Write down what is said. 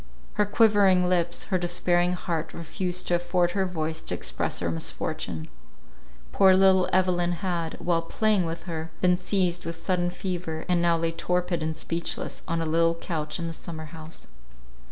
Her quivering lips, her despairing heart refused to afford her voice to express our misfortune. Poor little Evelyn had, while playing with her, been seized with sudden fever, and now lay torpid and speechless on a little couch in the summer house.